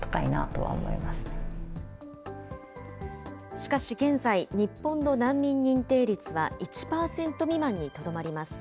しかし現在、日本の難民認定率は１％未満にとどまります。